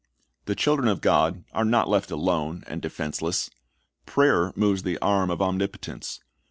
The children of God are not left alone and defenseless. Prayer moves the arm of Omnipotence.